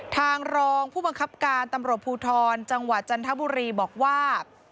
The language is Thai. ทางรองผู้บังคับการตำรวจภูทรจังหวัดจันทบุรีบอกว่า